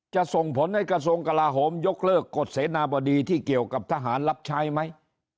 ส่งผลให้กระทรวงกลาโหมยกเลิกกฎเสนาบดีที่เกี่ยวกับทหารรับใช้ไหม